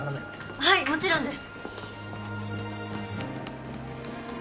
はいもちろんです。